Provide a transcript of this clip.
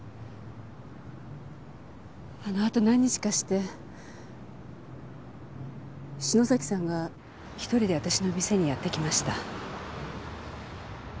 あのあと何日かして篠崎さんが１人で私の店にやって来ました。